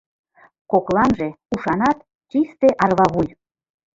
Кокланже ушанат — чисте арвавуй.